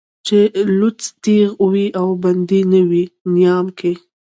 چې لوڅ تېغ وي او بندي نه وي نيام کې